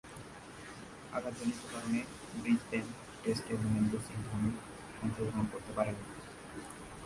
আঘাতজনিত কারণে ব্রিসবেন টেস্টে মহেন্দ্র সিং ধোনি অংশগ্রহণ করতে পারেননি।